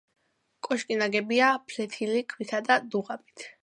კოშკი ნაგებია ფლეთილი ქვითა და დუღაბით.